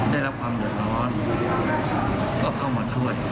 ได้รับความเดือดร้อนก็เข้ามาช่วย